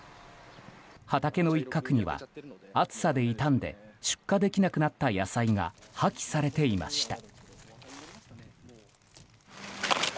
畑の一角には暑さで傷んで出荷できなくなった野菜が破棄されていました。